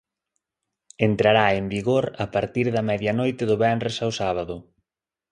Entrará en vigor a partir da medianoite do venres ao sábado.